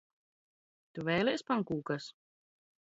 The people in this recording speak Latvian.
Tu v?lies pank?kas?